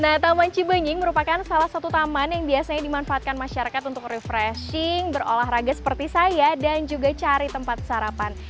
nah taman cibenying merupakan salah satu taman yang biasanya dimanfaatkan masyarakat untuk refreshing berolahraga seperti saya dan juga cari tempat sarapan